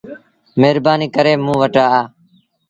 مهربآنيٚ ڪري موݩ وٽ آ۔